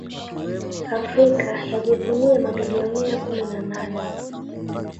Afrika yajivunia mabilionea kumi na nane